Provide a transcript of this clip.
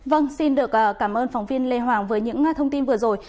vâng xin được cảm ơn phóng viên lê hoàng với những thông tin vừa rồi